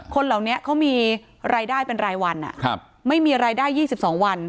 คนเหล่านี้เขามีรายได้เป็นรายวันไม่มีรายได้๒๒วัน